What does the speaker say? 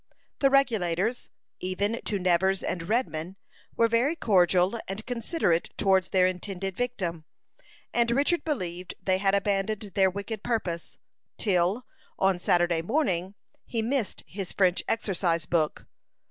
The Regulators, even to Nevers and Redman, were very cordial and considerate towards their intended victim, and Richard believed they had abandoned their wicked purpose, till, on Saturday morning, he missed his French exercise book.